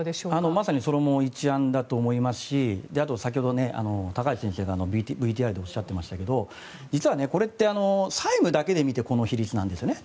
まさにそれも一案だと思いますし先ほど高橋先生がＶＴＲでおっしゃってましたがこれって債務だけで見てこの比率なんですよね。